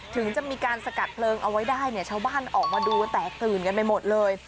ถึงจะมีการสกัดเพลิงเอาไว้ได้เนี่ยชาวบ้านออกมาดูแตกตื่นกันไปหมดเลย